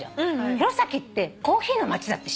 弘前ってコーヒーの街だって知ってた？